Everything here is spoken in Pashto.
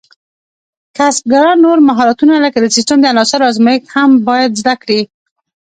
کسبګران نور مهارتونه لکه د سیسټم د عناصرو ازمېښت هم باید زده کړي.